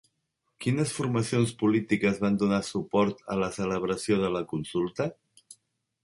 Quines formacions polítiques van donar suport a la celebració de la consulta?